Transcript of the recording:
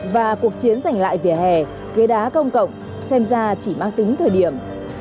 và cuộc chiến giành lại vỉa hè ghế đá công cộng xem ra chỉ mang tính thời điểm